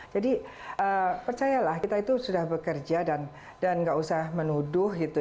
jadi percayalah kita itu sudah bekerja dan tidak usah menuduh